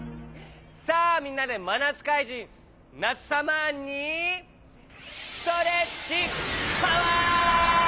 さあみんなでまなつかいじんナツサマーンにストレッチパワー！